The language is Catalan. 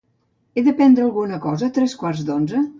He de prendre alguna cosa a tres quarts d'onze?